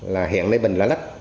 là hiện lấy bệnh lá đất